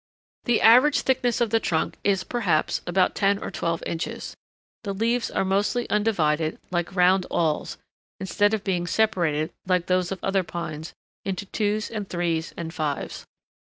The average thickness of the trunk is, perhaps, about ten or twelve inches. The leaves are mostly undivided, like round awls, instead of being separated, like those of other pines, into twos and threes and fives.